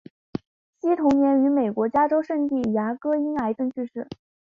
惜同年于美国加州圣地牙哥因癌症逝世。